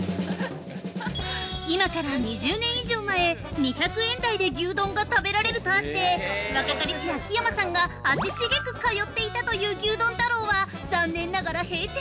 ◆今から２０年以上前２００円台で牛丼が食べられるとあって、通っていたという牛丼太郎は残念ながら閉店。